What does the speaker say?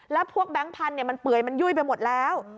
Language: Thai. แล้วพวกแบงค์พันธุ์มันเปื่อยมันยุ่ยไปหมดแล้ว